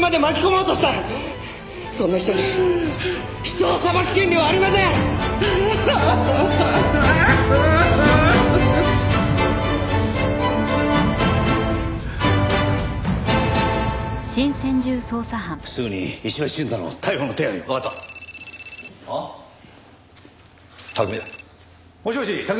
もしもし拓